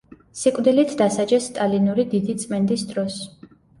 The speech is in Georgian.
სიკვდილით დასაჯეს სტალინური დიდი წმენდის დროს.